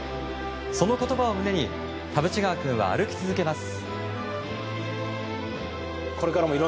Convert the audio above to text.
その言葉を胸に田渕川君は歩き続けます。